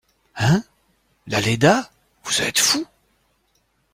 Hein !… la Léda ?… vous êtes fou !